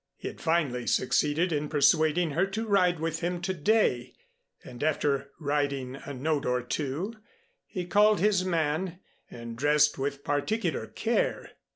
He had finally succeeded in persuading her to ride with him to day, and after writing a note or two, he called his man and dressed with particular care.